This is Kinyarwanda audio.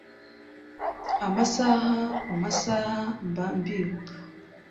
Amasaha ku masaha mba mbibuka